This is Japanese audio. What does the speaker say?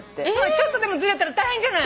ちょっとでもズレたら大変じゃない。